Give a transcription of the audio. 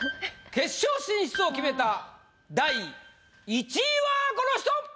決勝進出を決めた第１位はこの人！